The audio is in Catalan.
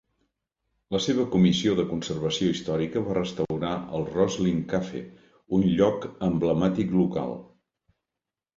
La seva Comissió de Conservació Històrica va restaurar el Rosyln Cafe, un lloc emblemàtic local.